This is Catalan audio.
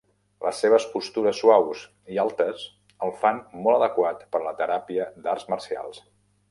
Les seves postures suaus i altes el fan molt adequat per a la teràpia d'arts marcials.